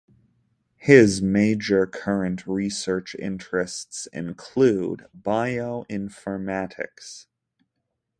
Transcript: His major current research interests include bioinformatics.